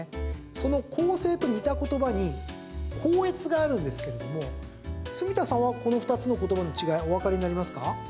その校正と似た言葉に校閲があるんですけれども住田さんはこの２つの言葉の違いおわかりになりますか？